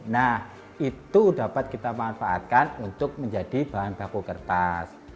nah itu dapat kita manfaatkan untuk menjadi bahan baku kertas